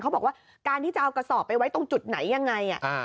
เขาบอกว่าการที่จะเอากระสอบไปไว้ตรงจุดไหนยังไง